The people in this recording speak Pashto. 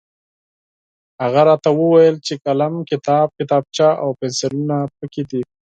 هغه راته وویل چې قلم، کتاب، کتابچه او پنسلونه پکې دي.